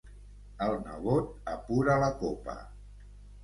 El nebot apura la copa.